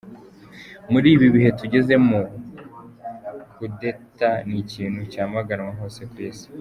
Muri ibi bihe tugezemo kudeta ni ikintu cyamaganwa hose ku isi.